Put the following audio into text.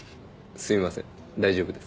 すいません大丈夫です。